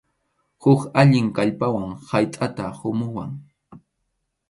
Huk allin kallpawan haytʼata qumuwan.